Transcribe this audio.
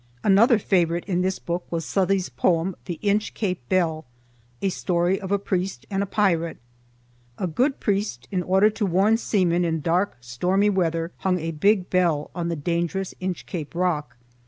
Another favorite in this book was Southey's poem "The Inchcape Bell," a story of a priest and a pirate. A good priest in order to warn seamen in dark stormy weather hung a big bell on the dangerous Inchcape Rock.